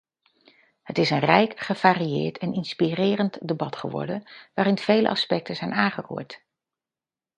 Het is een rijk, gevarieerd en inspirerend debat geworden waarin vele aspecten zijn aangeroerd.